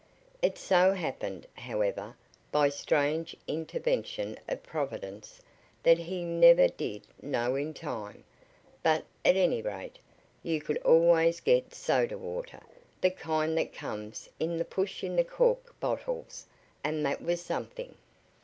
It so happened, however, by some strange intervention of providence, that he never did know in time. But, at any rate, you could always get soda water the kind that comes in the "push in the cork bottles," and that was something.